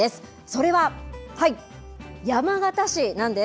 それは、はい、山形市なんです。